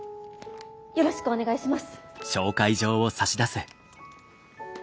よろしくお願いします。